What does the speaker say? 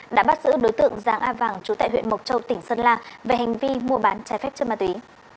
đã bắt giữ đối tượng giàng a vàng trú tại huyện mộc châu tỉnh sơn la về hành vi mua bán trái phép chất ma túy